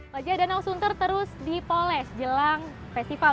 wajah danau sunter terus dipoles jelang festival